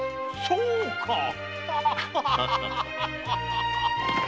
そうか。